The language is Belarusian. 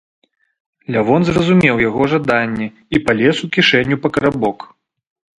Лявон зразумеў яго жаданне і палез у кішэню па карабок.